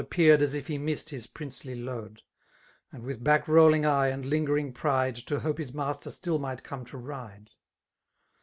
i Appeared as if he missed his princely load; And with back^rolUng eye and lingeitng pride. To hope his master still might come to ride.